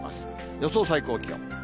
予想最高気温。